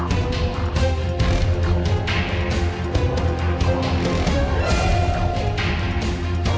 mama punya rencana